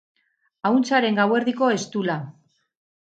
Ahuntzaren gauerdiko eztula